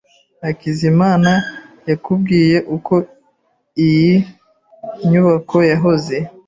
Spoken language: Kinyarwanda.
Hakizimana yakubwiye uko iyi nyubako yahoze?